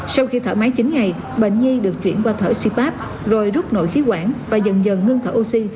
sau khi thở máy chín ngày bệnh nhi được chuyển qua thở cpap rồi rút nội khí quản và dần dần ngưng thở oxy